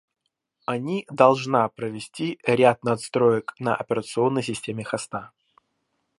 Они должна провести ряд надстроек на операционной системой хоста